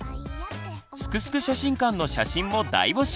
「すくすく写真館」の写真も大募集！